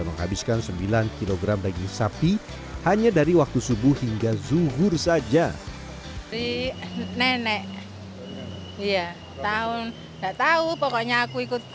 menghabiskan sembilan kg daging sapi hanya dari waktu subuh hingga zuhur saja di nenek ya tahun overlooked